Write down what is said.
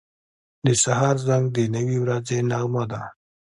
• د سهار زنګ د نوې ورځې نغمه ده.